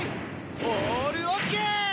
オールオッケー！